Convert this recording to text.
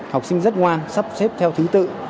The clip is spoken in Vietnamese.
học sinh rất ngoan sắp xếp theo thứ tự